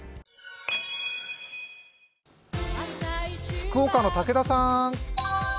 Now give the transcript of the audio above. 福岡の武田さん！